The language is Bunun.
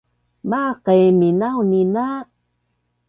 Maaq i minaunin a